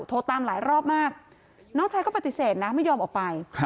โทรตามหลายรอบมากน้องชายก็ปฏิเสธนะไม่ยอมออกไป